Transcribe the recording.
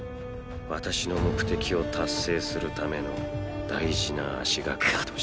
私の目的を達成するための大事な足がかりとして。